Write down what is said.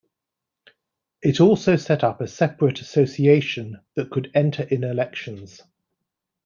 It also set up a separate association that could enter in elections.